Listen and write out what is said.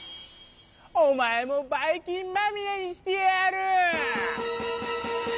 おまえもバイきんまみれにしてやる！